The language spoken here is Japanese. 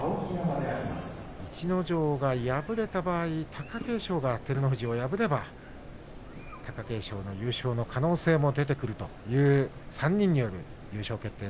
逸ノ城が敗れた場合貴景勝が照ノ富士を破れば貴景勝の優勝の可能性も出てくるという３人による優勝決定